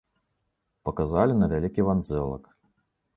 Паказалі на вялікі вандзэлак.